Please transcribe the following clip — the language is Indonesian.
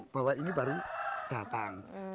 bahwa ini baru datang